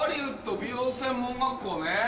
美容専門学校ね。